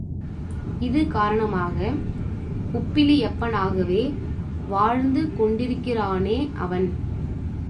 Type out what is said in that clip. இது காரணமாக உப்பிலியப்பனாகவே வாழ்ந்து கொண்டிருக்கிறானே அவன்.